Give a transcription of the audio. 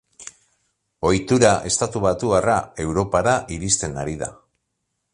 Ohitura estatubatuarra Europara iristen ari da.